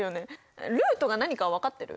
ルートが何か分かってる？